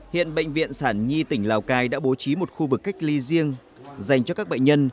hiện bệnh viện sản nhi tỉnh lào cai đã bố trí một khu vực cách ly riêng dành cho các bệnh nhân